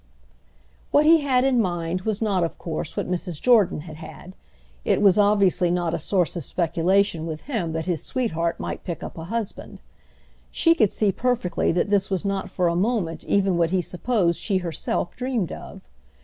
What he had in mind was not of course what Mrs. Jordan had had: it was obviously not a source of speculation with him that his sweetheart might pick up a husband. She could see perfectly that this was not for a moment even what he supposed she herself dreamed of.